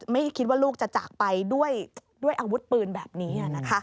ไม่คิดว่าลูกจะจากไปด้วยอาวุธปืนแบบนี้